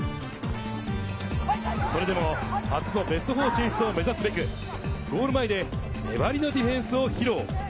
それでも初のベスト４進出を目指すべく、ゴール前で粘りのディフェンスを披露。